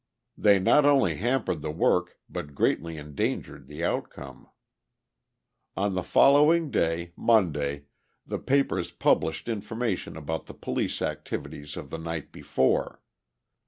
They not only hampered the work, but greatly endangered the outcome. On the following day, Monday, the papers published information about the police activities of the night before.